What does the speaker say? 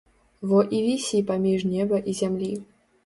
Во і вісі паміж неба і зямлі.